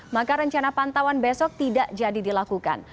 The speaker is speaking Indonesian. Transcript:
maka rencana pantauan besok tidak jadi dilakukan